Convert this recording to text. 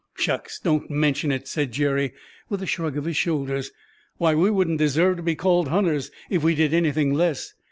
"Shucks, don't mention it!" said Jerry, with a shrug of his shoulders. "Why, we wouldn't deserve to be called hunters if we did anything less.